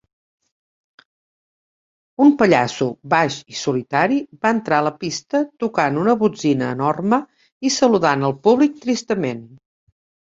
Un pallasso baix i solitari va entrar a la pista tocant una botzina enorme i saludant el públic tristament.